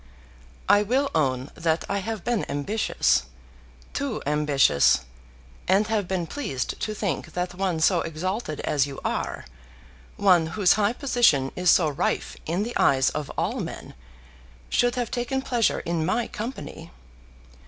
I will own that I have been ambitious, too ambitious, and have been pleased to think that one so exalted as you are, one whose high position is so rife in the eyes of all men, should have taken pleasure in my company.